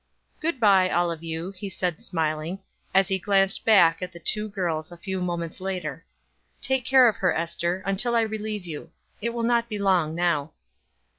"Good by all of you," he said smiling, as he glanced back at the two girls a few moments later. "Take care of her, Ester, until I relieve you. It will not be long now."